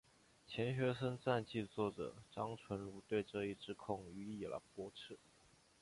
钱学森传记作者张纯如对这一指控予以了驳斥。